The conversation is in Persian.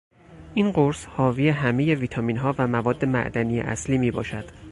این قرص حاوی همهی ویتامینها و مواد معدنی اصلی می باشد.